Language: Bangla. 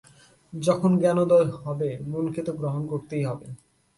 যখন জ্ঞানোদয় হবে, মনকে তা গ্রহণ করতেই হবে।